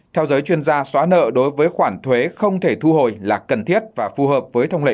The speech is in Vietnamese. theo giới chuyên gia xóa nợ đối với khoản thuế không thể thu hồi là cần thiết và phù hợp với thông lệ